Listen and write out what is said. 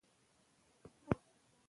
زه له نوو تجربو څخه بېره نه لرم.